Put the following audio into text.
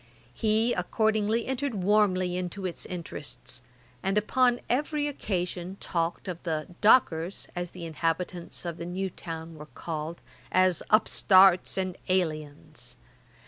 He accordingly entered warmly into its interests, and upon every occasion talked of the dockers, as the inhabitants of the new town were called, as upstarts and aliens.